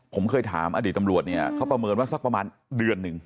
ผมเคยถามอดีตตำรวจเนี่ยเขาประเมินว่าสักประมาณเดือนหนึ่ง